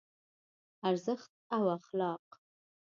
ارزښت او اخلاق